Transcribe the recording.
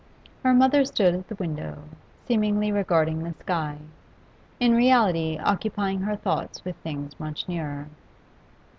Her mother stood at the window, seemingly regarding the sky, in reality occupying her thoughts with things much nearer.